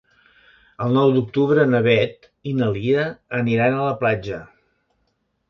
El nou d'octubre na Beth i na Lia aniran a la platja.